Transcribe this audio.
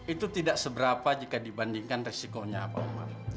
itu tidak seberapa jika dibandingkan resikonya pak umar